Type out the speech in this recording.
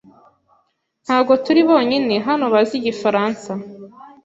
Ntabwo turi bonyine hano bazi igifaransa.